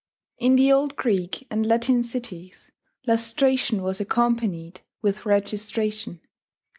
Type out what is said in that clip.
In the old Greek and Latin cities lustration was accompanied with registration.